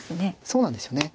そうなんですよね。